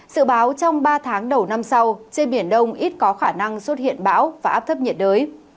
sự báo trong ba tháng đầu năm sau trên biển đông ít có khả năng xuất hiện bão và áp thấp nhiệt đới